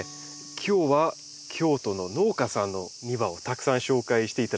今日は京都の農家さんの庭をたくさん紹介していただきました。